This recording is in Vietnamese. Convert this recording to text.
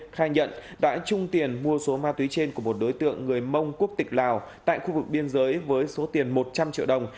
khai nhận đã chung tiền mua số ma túy trên của một đối tượng người mông quốc tịch lào tại khu vực biên giới với số tiền một trăm linh triệu đồng